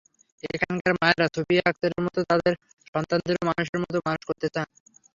এখানকার মায়েরা সুফিয়া আক্তারের মতো তাঁদের সন্তানদেরও মানুষের মতো মানুষ করতে চান।